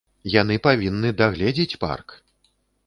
Яны павінны дагледзець парк!